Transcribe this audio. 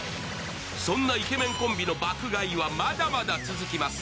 そんなイケメンコンビの爆買いはまだまだ続きます。